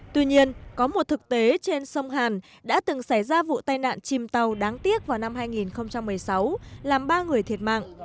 tuy nhiên có một thực tế trên sông hàn đã từng xảy ra vụ tai nạn chìm tàu đáng tiếc vào năm hai nghìn một mươi sáu làm ba người thiệt mạng